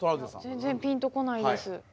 全然ピンと来ないです。